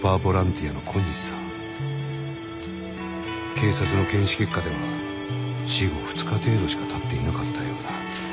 警察の検視結果では死後２日程度しかたっていなかったようだ。